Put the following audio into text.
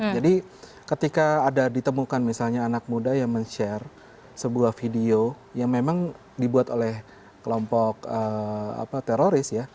jadi ketika ada ditemukan misalnya anak muda yang men share sebuah video yang memang dibuat oleh kelompok teroris